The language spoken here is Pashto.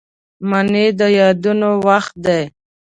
منی د یادونو وخت دی